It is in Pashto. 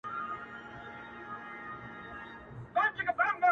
ښه پرې را اوري له بــــيابــــانـــه دوړي;